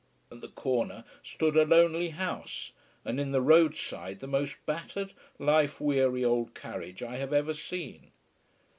At the corner stood a lonely house and in the road side the most battered, life weary old carriage I have ever seen.